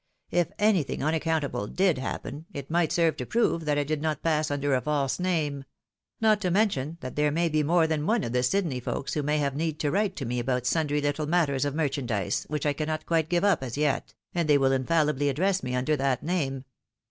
If anything unaccountable did happen, it might serve to prove that I did not pass under a false name ; not to mention that there may be more than one of the Sydney folks who may have need to write to me about sundry Kttle matters of merchandise, which I cannot quite give up as yet, and they will infallibly address me under that name."